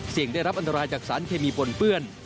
ได้รับอันตรายจากสารเคมีปนเปื้อน